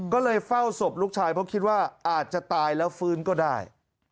ก็เลยเฝ้าศพลูกชายเพราะคิดว่าอาจจะตายแล้วฟื้นก็ได้